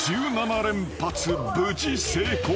１７連発無事成功］